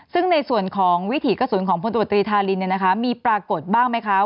ซึ่งในส่วนของวิถีกระสุนของพลตรวจตรีธารินมีปรากฏบ้างไหมคะ